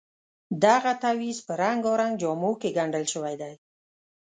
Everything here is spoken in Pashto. دغه تعویض په رنګارنګ جامو کې ګنډل شوی دی.